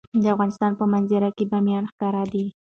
د افغانستان په منظره کې بامیان ښکاره ده.